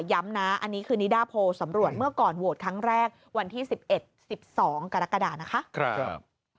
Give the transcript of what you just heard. ย้ำนะอันนี้คือนิดาโพลสำรวจเมื่อก่อนโหวตครั้งแรกวันที่๑๑๑๒กรกฎานะคะ